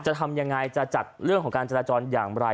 จะทำยังไงจะจัดเรื่องของการจราจรอย่างไร